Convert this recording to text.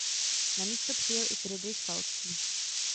Na místo přijel i Fridrich Falcký.